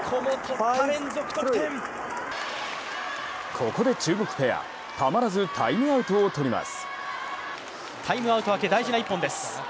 ここで中国ペアたまらずタイムアウトを取ります。